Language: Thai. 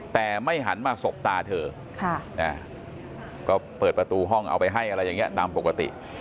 แต่ไม่หันมาสบตาเธอก็เปิดประตูห้องเอาไปให้อะไรอย่างนี้ตามปกติ